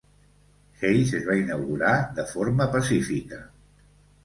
Hayes es va inaugurar de forma pacífica.